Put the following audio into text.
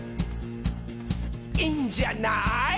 「いいんじゃない？」